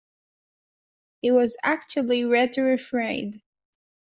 He was actually rather afraid